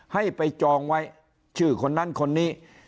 ให้ไปจองไว้ชื่อคนนั้นคนนี้